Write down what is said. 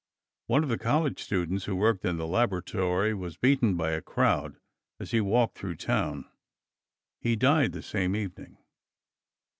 One of the college students who worked in the laboratory was beaten by a crowd as he walked through town. He died the same evening.